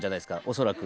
恐らく。